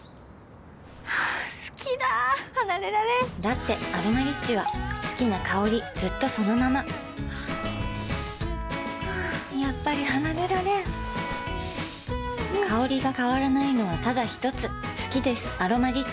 好きだ離れられんだって「アロマリッチ」は好きな香りずっとそのままやっぱり離れられん香りが変わらないのはただひとつ好きです「アロマリッチ」